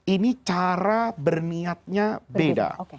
ini cara berniatnya beda